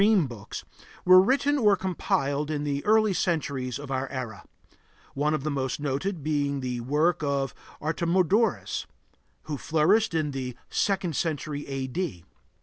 ] Many Oneirocritica, or "dream books," were written or compiled in the early centuries of our era, one of the most noted being the work of Artemidorus, who flourished in the second century A.D.